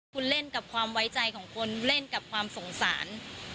คุณเล่นกับความไว้ใจของคนเล่นกับความสงสาร